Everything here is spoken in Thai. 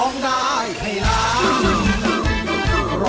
ร้องได้ให้ล้าน